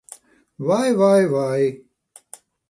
Vai, vai, vai!